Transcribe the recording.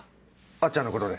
あっちゃんのことで？